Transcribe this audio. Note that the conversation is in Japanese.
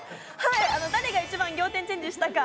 誰が一番仰天チェンジしたか。